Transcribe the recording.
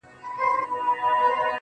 o پرېږده دا زخم زړه ـ پاچا وویني.